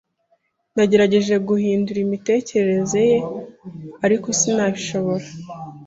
Nagerageje guhindura imitekerereze ye, ariko sinabishobora.